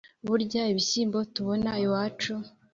burya ibishyimbo tubona iwacu